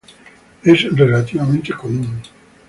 Es relativamente común.